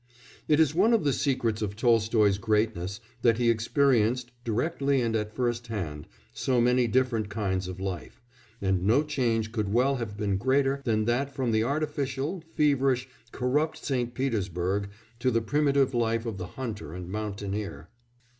It is one of the secrets of Tolstoy's greatness that he experienced, directly and at first hand, so many different kinds of life, and no change could well have been greater than that from the artificial, feverish, corrupt St. Petersburg to the primitive life of the hunter and mountaineer.